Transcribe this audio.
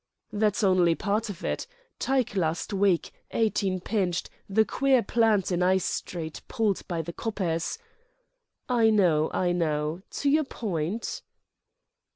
"That's only part of it. Tike last week: Eighteen pinched, the queer plant in 'Igh Street pulled by the coppers—" "I know, I know. To your point!"